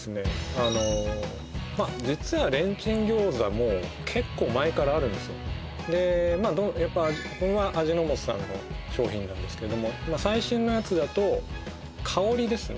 あの実はレンチンギョーザも結構前からあるんですよでこれは味の素さんの商品なんですけども最新のやつだと香りですね